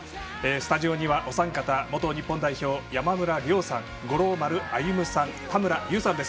スタジオにはお三方元日本代表の山村亮さん五郎丸歩さん、田村優さんです。